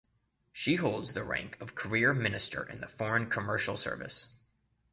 She holds the rank of Career Minister in the Foreign Commercial Service.